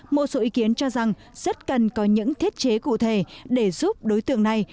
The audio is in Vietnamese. một số ý kiến cho rằng rất cần có những thiết chế cụ thể để giúp đối tượng này